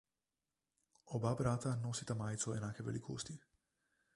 Oba brata nosita majico enake velikosti.